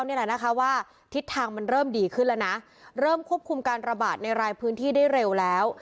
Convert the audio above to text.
นี่แหละนะคะว่าทิศทางมันเริ่มดีขึ้นแล้วนะเริ่มควบคุมการระบาดในรายพื้นที่ได้เร็วแล้ว